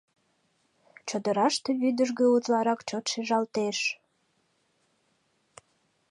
Чодыраште вӱдыжгӧ утларак чот шижалтеш.